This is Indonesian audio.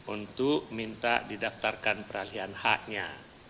untuk minta didaftarkan peralihan haknya